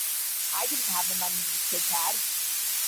I didn't have the money these kids had.